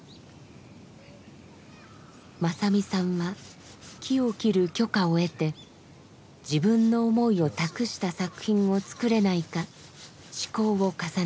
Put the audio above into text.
正実さんは木を切る許可を得て自分の思いを託した作品を作れないか試行を重ねました。